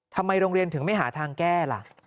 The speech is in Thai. ทำไมโรงเรียนถึงไม่หาทางแก้ล่ะ